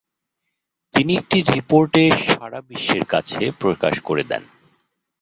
তিনি একটি রিপোর্টে সারা বিশ্বের কাছে প্রকাশ করে দেন ।